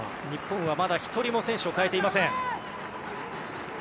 日本はまだ１人も選手を代えていません。